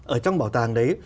ở trong bảo tàng đấy